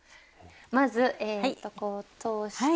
まずえっとこう通して。